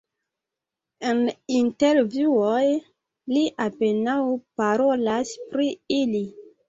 En intervjuoj li apenaŭ parolas pri ili.